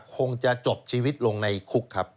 คงจะจบชีวิตลงในคุกครับ